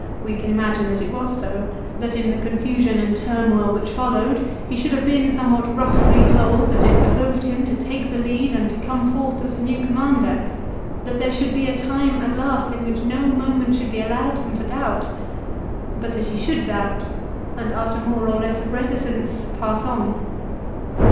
We can imagine that it was so, that in the confusion and tur moil which followed he should have been somewhat roughly THE WAR BETWEEN CAESAR AND POMPEY. 149 told that it behoved him to take the lead and to come forth as the new commander ; that there should be a time at last in which no moment should be allowed him for doubt, but that he should doubt, and after more or less of reticence, pass on.